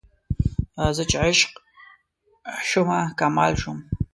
زه چې عشق شومه کمال شوم